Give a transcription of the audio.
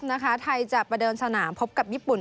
นะคะไทยจะประเดิมสนามพบกับญี่ปุ่น